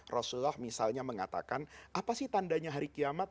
rasulullah misalnya mengatakan apa sih tandanya hari kiamat